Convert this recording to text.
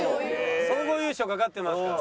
総合優勝懸かってますから。